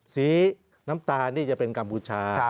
สีน้ำตาลนี่จะเป็นกัมพูชา